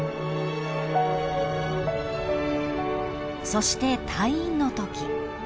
［そして退院のとき］